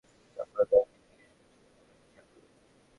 যখন সে তার পিতা ও তার সম্প্রদায়কেও জিজ্ঞেস করেছিল, তোমরা কিসের পূজা করছ?